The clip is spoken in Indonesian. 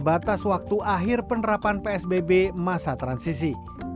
batas waktu akhir penerapan psbb masa transisi